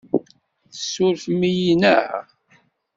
Tessurfem-iyi, naɣ?